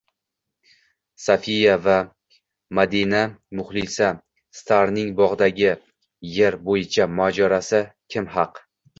Safia va Madina-Muxlisa Star’ning bog‘dagi yer bo‘yicha mojarosi: kim haq?